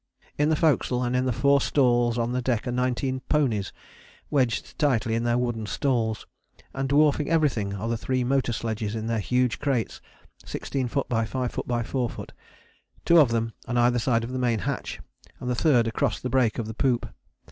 In the forecastle and in the four stalls on deck are the nineteen ponies, wedged tightly in their wooden stalls, and dwarfing everything are the three motor sledges in their huge crates, 16´ x 5´ x 4´, two of them on either side of the main hatch, the third across the break of the poop.